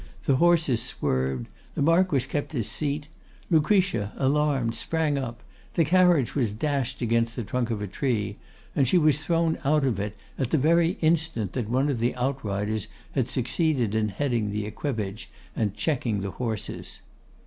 The horses swerved; the Marquess kept his seat; Lucretia, alarmed, sprang up, the carriage was dashed against the trunk of a tree, and she was thrown out of it, at the very instant that one of the outriders had succeeded in heading the equipage and checking the horses.